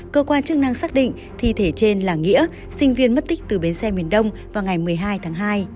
cơ quan chức năng xác định thi thể trên là nghĩa sinh viên mất tích từ bến xe miền đông vào ngày một mươi hai tháng hai